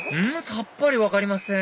さっぱり分かりません